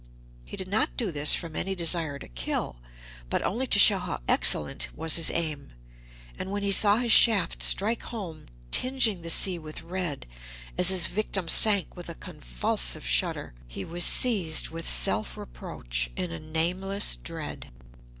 He did not do this from any desire to kill, but only to show how excellent was his aim, and when he saw his shaft strike home, tinging the sea with red as his victim sank with a convulsive shudder, he was seized with self reproach and a nameless dread.